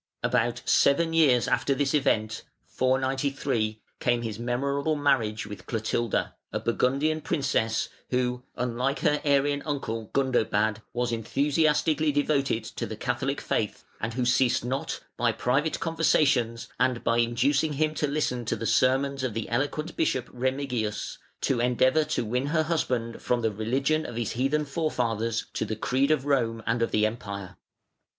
About seven years after this event (493) came his memorable marriage with Clotilda, a Burgundian princess, who, unlike her Arian uncle, Gundobad, was enthusiastically devoted to the Catholic faith, and who ceased not by private conversations and by inducing him to listen to the sermons of the eloquent Bishop Remigius, to endeavour to win her husband from the religion of his heathen forefathers to the creed of Rome and of the Empire.